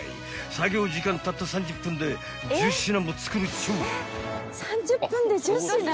［作業時間たった３０分で１０品も作るっちゅう］